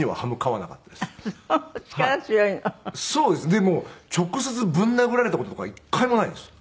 でも直接ぶん殴られた事とかは一回もないんです。